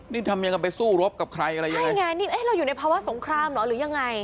นี่ทำยังไงไปสู้รบกับใครอะไรยังไงนี่ไงนี่เอ๊ะเราอยู่ในภาวะสงครามเหรอหรือยังไง